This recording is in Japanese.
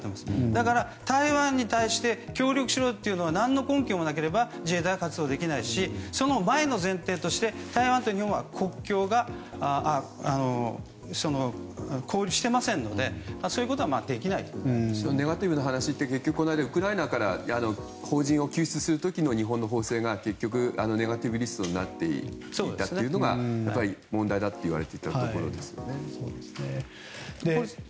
だから台湾に対して協力しろというのは何の根拠もなければ自衛隊は活動できないしその前の前提として台湾と日本は交流していませんのでネガティブ法の話って結局、ウクライナから邦人を救出する時の日本の法制がネガティブリストになっていたのがやっぱり問題だと言われてたところですよね。